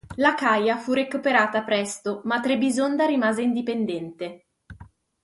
L'Acaia fu recuperata presto, ma Trebisonda rimase indipendente.